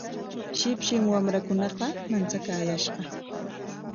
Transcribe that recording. Shipshim wamrakunaqa manchakaayashqa.